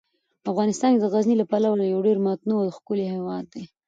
افغانستان د غزني له پلوه یو ډیر متنوع او ښکلی هیواد دی.